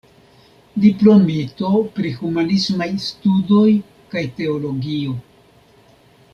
Diplomito pri Humanismaj Studoj kaj Teologio.